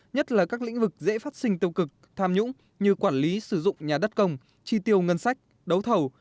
nhất là các lĩnh vực dễ phát sinh tiêu cực tham nhũng như quản lý sử dụng nhà đất công chi tiêu ngân sách đấu thầu